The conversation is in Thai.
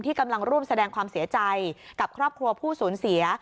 กำลังร่วมแสดงความเสียใจกับครอบครัวผู้สูญเสีย